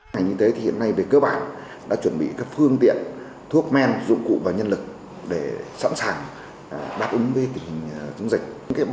hành y tế hiện nay về cơ bản đã chuẩn bị các phương tiện thuốc men dụng cụ và nhân lực để sẵn sàng đáp ứng với tình dung dịch